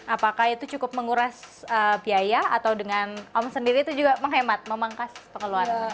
apakah itu cukup menguras biaya atau dengan om sendiri itu juga menghemat memangkas pengeluaran